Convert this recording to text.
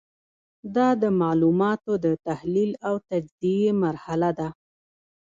دا د معلوماتو د تحلیل او تجزیې مرحله ده.